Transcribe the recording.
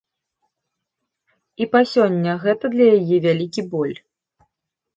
І па сёння гэта для яе вялікі боль.